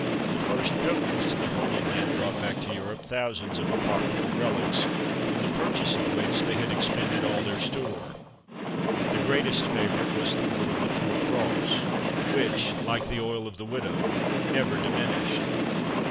The first pilgrims to the Holy Land brought back to Europe thousands of apocryphal relics, in the purchase of which they had expended all their store. The greatest favourite was the wood of the true cross, which, like the oil of the widow, never diminished.